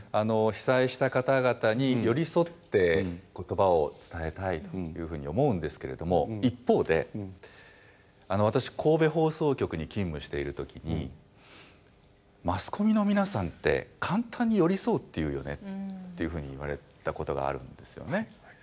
被災した方々に寄り添って言葉を伝えたいというふうに思うんですけれども一方で私神戸放送局に勤務している時に「マスコミの皆さんって簡単に寄り添うって言うよね」っていうふうに言われたことがあるんですよね。